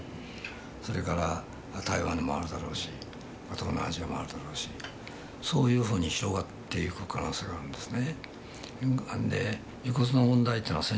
それから台湾にもあるだろうし東南アジアもあるだろうしそういうふうに広がっていく可能性があるんですね